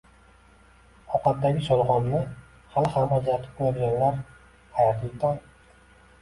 Ovqatdagi sholg'omni hali ham ajratib qo'yadiganlar, xayrli tong!